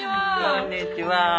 こんにちは。